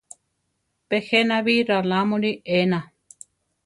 Pe jéna bi ralamuli ená.